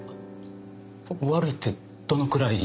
悪いってどのくらい？